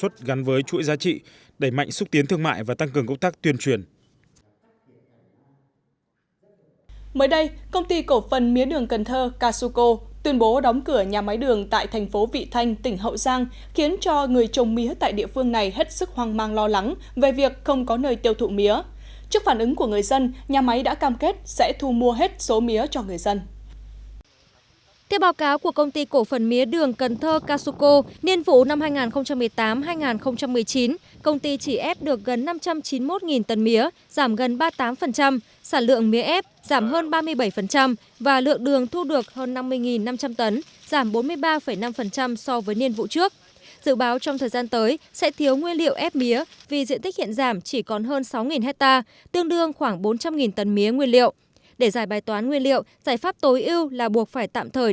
tuy nhiên dù đóng cửa nhà máy nhưng casuco cam kết sẽ không để một cây mía nào của người dân bị bỏ lại